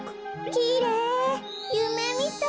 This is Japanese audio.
きれい！